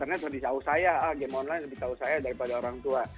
karena lebih tahu saya ah game online lebih tahu saya daripada orang tua